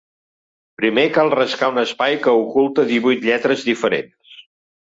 Primer cal rascar un espai que oculta divuit lletres diferents.